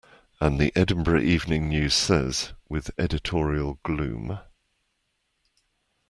And the Edinburgh Evening News says, with editorial gloom.